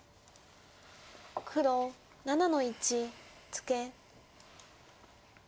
黒７の一ツケ。